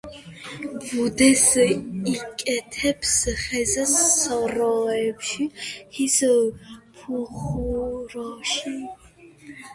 ბუდეს იკეთებს ხეზე, სოროებში, ხის ფუღუროში.